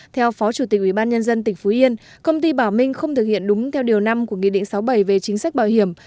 theo phó chủ tịch ubnd tỉnh phú yên công ty bảo minh không thực hiện đúng theo điều năm của nghị định sáu mươi bảy về chính sách bảo hiểm